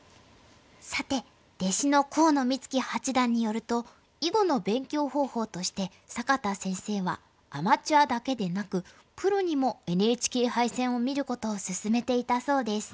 さて弟子の河野光樹八段によると囲碁の勉強方法として坂田先生はアマチュアだけでなくプロにもＮＨＫ杯戦を見ることをすすめていたそうです。